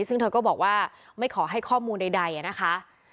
ซึ่งเธอก็บอกว่าไม่ขอให้ข้อมูลใดนะคะ